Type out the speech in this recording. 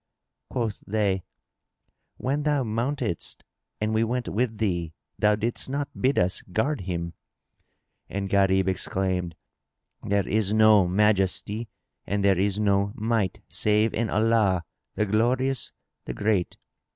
Quoth they, "When thou mountest and we went with thee, thou didst not bid us guard him;" and Gharib exclaimed, "There is no Majesty and there is no Might save in Allah, the Glorious, the Great!"